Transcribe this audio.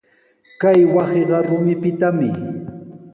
Kay wasiqa rumipitami.